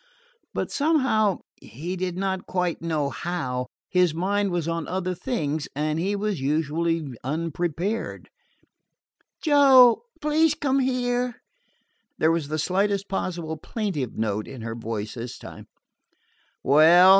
But somehow he did not quite know how his mind was on other things and he was usually unprepared. "Joe please come here." There was the slightest possible plaintive note in her voice this time. "Well?"